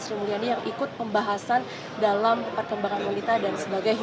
sri mulyani yang ikut pembahasan dalam perkembangan wanita dan sebagainya